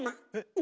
今。